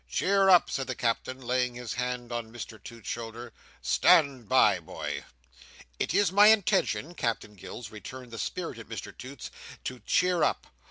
"Cheer up!" said the Captain, laying his hand on Mr Toots's shoulder. "Stand by, boy!" "It is my intention, Captain Gills," returned the spirited Mr Toots, "to cheer up.